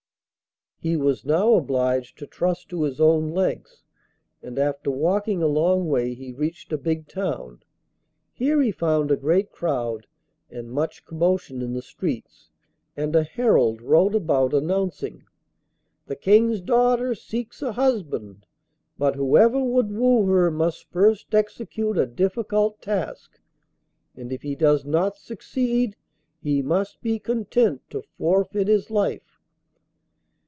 He was now obliged to trust to his own legs, and after walking a long way he reached a big town. Here he found a great crowd and much commotion in the streets, and a herald rode about announcing, 'The King's daughter seeks a husband, but whoever would woo her must first execute a difficult task, and if he does not succeed he must be content to forfeit his life.